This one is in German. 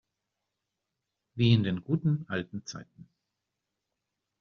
Wie in den guten, alten Zeiten!